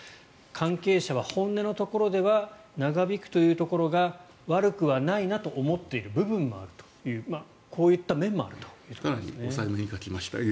関係者は本音のところでは長引くというところが悪くはないなと思っている部分もあるというこういった面もあるということですね。